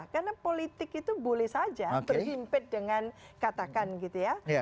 karena politik itu boleh saja berhimpit dengan katakan gitu ya